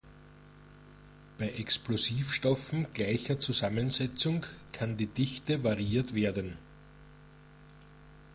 Bei Explosivstoffen gleicher Zusammensetzung kann die Dichte variiert werden.